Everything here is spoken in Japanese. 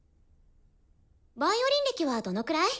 ヴァイオリン歴はどのくらい？